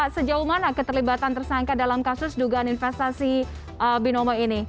sejauh mana keterlibatan tersangka dalam kasus dugaan investasi binomo ini